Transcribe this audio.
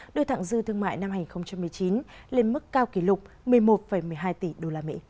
đưa thẳng dư thương mại năm hai nghìn một mươi chín lên mức cao kỷ lục một mươi một một mươi hai tỷ usd